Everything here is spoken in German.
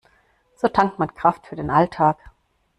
So tankt man Kraft für den Alltag.